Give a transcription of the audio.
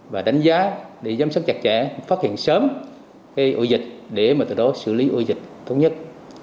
và đánh giá để giám sát chặt chẽ phát hiện sớm ưu dịch để xử lý ưu dịch tốt nhất